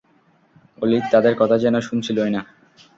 Walid তাদের কথা যেন শুনছিলই না।